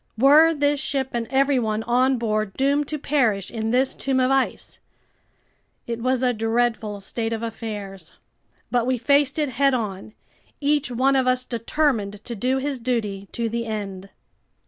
Were this ship and everyone on board doomed to perish in this tomb of ice? It was a dreadful state of affairs. But we faced it head on, each one of us determined to do his duty to the end.